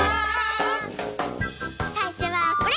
さいしょはこれ！